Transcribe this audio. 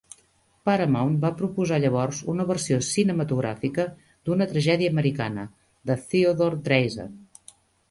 Paramount va proposar llavors una versió cinematogràfica d'"Una tragèdia americana" de Theodore Dreiser.